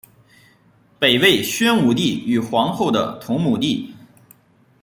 北魏宣武帝于皇后的同母弟。